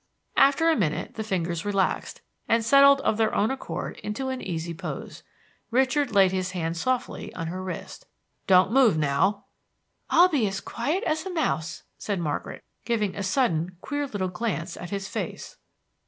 After a minute the fingers relaxed, and settled of their own accord into an easy pose. Richard laid his hand softly on her wrist. "Don't move now." "I'll be as quiet as a mouse," said Margaret giving a sudden queer little glance at his face.